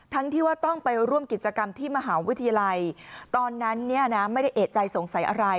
ที่ว่าต้องไปร่วมกิจกรรมที่มหาวิทยาลัยตอนนั้นเนี่ยนะไม่ได้เอกใจสงสัยอะไร